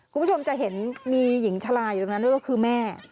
คุณผู้ชมจะเห็นมีหญิงชะลาอยู่ตรงนั้นด้วยก็คือแม่